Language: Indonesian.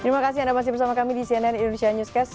terima kasih anda masih bersama kami di cnn indonesia newscast